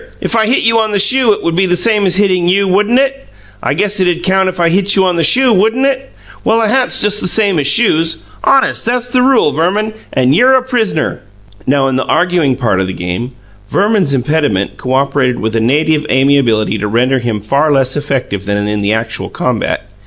If I hit you on the shoe, it would be the same as hitting YOU, wouldn't it? I guess it'd count if I hit you on the shoe, wouldn't it? Well, a hat's just the same as shoes. Honest, that's the rule, Verman, and you're a pris'ner." Now, in the arguing part of the game, Verman's impediment cooperated with a native amiability to render him far less effective than in the actual combat.